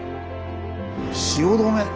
汐留。